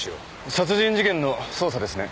殺人事件の捜査ですね？